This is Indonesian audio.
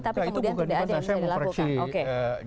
tapi kemudian tidak ada yang bisa dilakukan